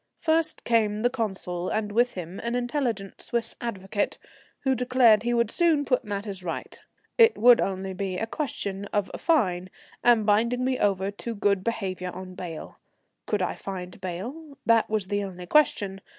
First came the Consul, and with him an intelligent Swiss advocate, who declared he would soon put matters right. It would only be a question of a fine, and binding me over to good behaviour on bail. Could I find bail? That was the only question.